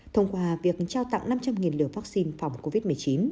thông qua việc trao tặng năm trăm linh liều vaccine phòng covid một mươi chín